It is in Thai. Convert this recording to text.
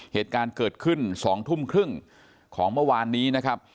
เหตุการณ์เกิดขึ้น๒ทุ่มครึ่งของเมื่อวานนี้นะครับ